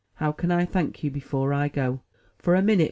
How can I thank you before I go?" For a minute.